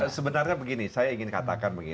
sebenarnya begini saya ingin katakan begini